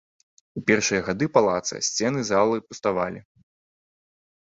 У першыя гады палаца, сцены залы пуставалі.